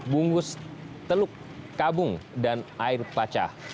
bungus teluk kabung dan air paca